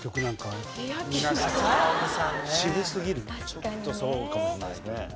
ちょっとそうかもしんないですね。